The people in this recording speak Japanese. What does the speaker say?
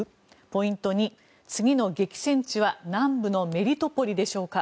ポイント２、次の激戦地は南部のメリトポリでしょうか。